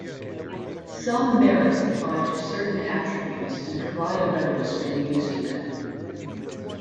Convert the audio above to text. Some Merits apply to certain Attributes and provide a bonus when using them.